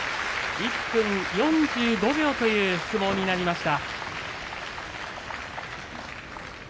１分４５秒という相撲になりました。